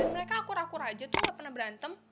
mereka akur rakur aja tuh gak pernah berantem